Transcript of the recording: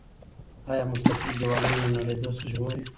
آیا مستطیل دیوالونه له نړیدو څخه ژغوري؟